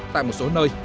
tại một số nơi